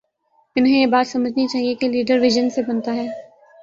انہیں یہ بات سمجھنی چاہیے کہ لیڈر وژن سے بنتا ہے۔